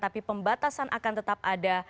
tapi pembatasan akan tetap ada